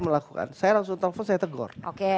melakukan saya langsung telepon saya tegur oke